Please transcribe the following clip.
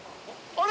あれ？